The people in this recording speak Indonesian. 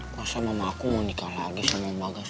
masa mama aku mau nikah lagi sama mama gas